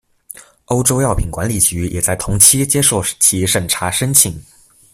欧洲药品管理局也在同期接受其审查申请。